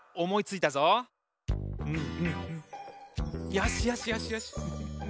よしよしよしよし。